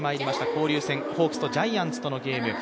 交流戦、ホークスとジャイアンツとのゲーム。